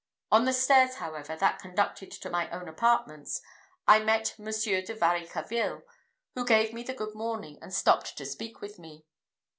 On the stairs, however, that conducted to my own apartments, I met Monsieur de Varicarville, who gave me the good morning, and stopped to speak with me.